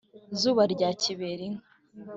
zuba rya kiberinka